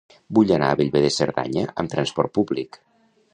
Vull anar a Bellver de Cerdanya amb trasport públic.